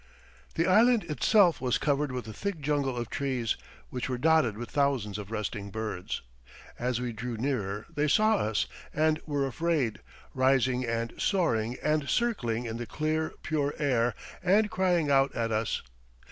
The island itself was covered with a thick jungle of trees, which were dotted with thousands of resting birds. As we drew nearer they saw us and were afraid, rising and soaring and circling in the clear, pure air, and crying out at us.